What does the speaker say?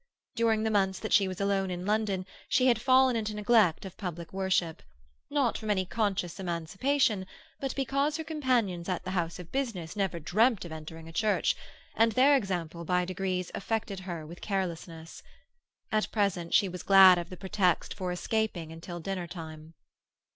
During the months that she was alone in London she had fallen into neglect of public worship; not from any conscious emancipation, but because her companions at the house of business never dreamt of entering a church, and their example by degrees affected her with carelessness. At present she was glad of the pretext for escaping until dinner time.